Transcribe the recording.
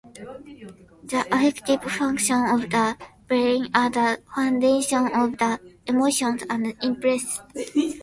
The affective functions of the brain are the foundations of the emotions, and impulses.